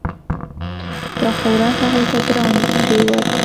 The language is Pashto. دا خوراک هغوی ته ګران پریوت.